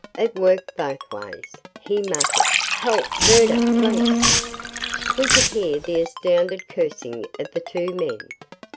"It works both ways," he muttered. "Help! Murder! Police!" We could hear the astounded cursing of the two men.